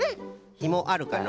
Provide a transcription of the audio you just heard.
ひもあるかの？